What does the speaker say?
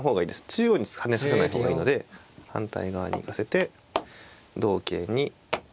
中央に跳ねさせない方がいいので反対側に行かせて同桂に１九角成と。